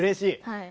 はい。